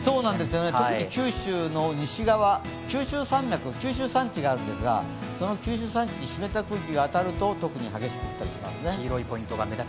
特に九州の西側、九州山脈、九州山地があるんですが、その九州山地に湿った空気が当たると特に激しく降ったりしますね。